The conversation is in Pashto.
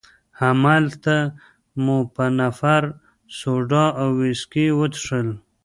هماغلته مو په نفر سوډا او ویسکي وڅښل.